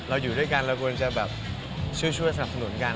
อยู่ด้วยกันเราควรจะแบบช่วยสนับสนุนกัน